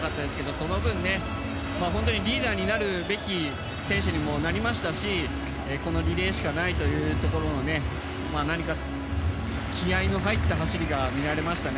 その分、リーダーになるべき選手になりましたしこのリレーしかないというところで何か、気合の入った走りが見られましたね。